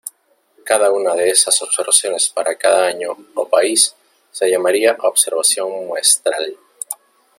Cada una de esas observaciones para cada año, o país, se llamaría observación muestral.